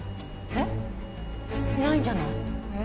えっないんじゃない？え？